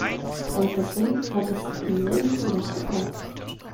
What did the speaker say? Dein Cousin hat es im Leben zu was gebracht.